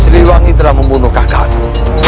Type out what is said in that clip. sriwangi telah membunuh kakakku